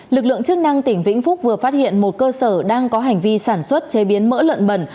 lực lượng chức năng tỉnh vĩnh phúc vừa phát hiện một cơ sở đang có hành vi sản xuất chế biến mỡ lợn bẩn